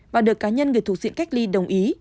và được cá nhân người thuộc diện cách ly đồng ý